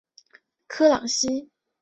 科朗西。